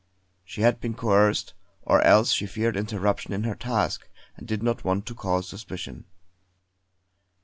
She had been coerced; or else she feared interruption in her task, and did not want to cause suspicion.